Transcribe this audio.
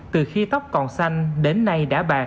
từ khi tóc còn xanh đến nay